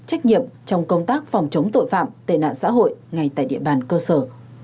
trách nhiệm trong công tác phòng chống tội phạm tệ nạn xã hội ngay tại địa bàn cơ sở